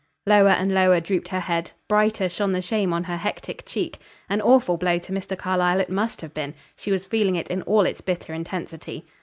Lower and lower drooped her head, brighter shone the shame on her hectic cheek. An awful blow to Mr. Carlyle it must have been; she was feeling it in all its bitter intensity.